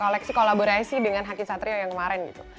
koleksi kolaborasi dengan hakim satrio yang kemarin gitu